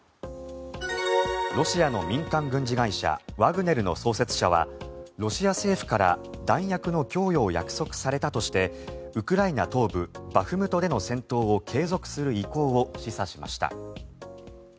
ロシアの民間軍事会社ワグネルの創設者はロシア政府から弾薬の供与を約束されたとしてウクライナ東部バフムトでの戦闘を継続する意向を示唆しました。